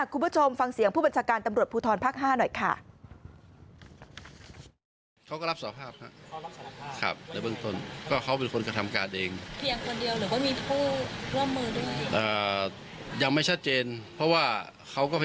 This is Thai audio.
คุณผู้ชมฟังเสียงผู้บัญชาการตำรวจภูทรภาค๕หน่อยค่ะ